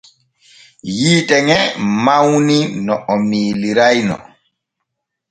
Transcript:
Yiite ŋe mawni no o miiliray no.